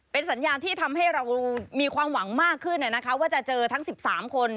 เป็นสัญญาณที่ทำให้เรามีความหวังมากขึ้นว่าจะเจอทั้ง๑๓คน